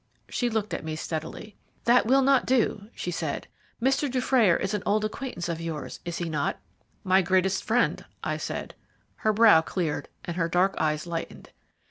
She looked at me steadily "That will not do," she said. "Mr. Dufrayer is an old acquaintance of yours, is he not?" "My greatest friend," I said. Her brow cleared, and her dark eyes lightened.